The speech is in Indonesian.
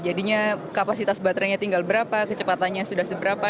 jadinya kapasitas baterainya tinggal berapa kecepatannya sudah seberapa